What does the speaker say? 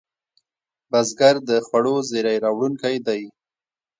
بزګر د خوړو زېری راوړونکی دی